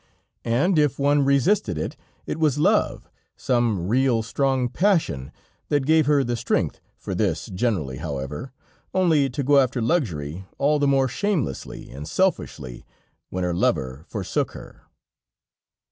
And if one resisted it, it was love, some real, strong passion, that gave her the strength for this, generally, however, only to go after luxury all the more shamelessly and selfishly, when her lover forsook her.